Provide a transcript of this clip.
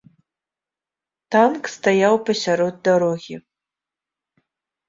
Танк стаяў пасярод дарогі.